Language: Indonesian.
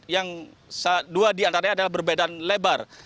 yang dua diantaranya adalah berbedan lebar